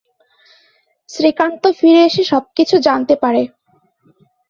শ্রীকান্ত ফিরে এসে সবকিছু জানতে পারে।